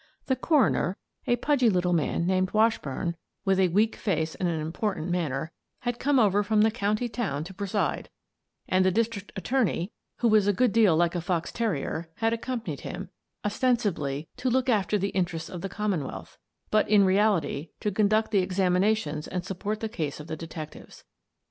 The coroner, a pudgy little man named Wash burn, with a weak face and an important manner, had come over from the county town to preside, and the district attorney, who was a good deal like 165 1 66 Miss Frances Baird, Detective a fox terrier, had accompanied him, ostensibly " to look after the interests of the Commonwealth," but in reality to conduct the examinations and support the case of the detectives.